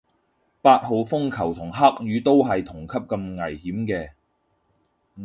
八號風球同黑雨都係同級咁危險嘅